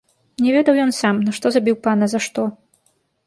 Не ведаў ён сам, нашто забіў пана, за што.